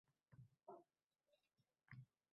Sirli tayyorgarlik shu yo‘sin uzoq davom etdi.